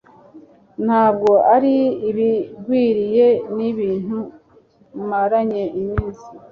ntabwo ari ibigwiririye ni ibintu maranye iminsi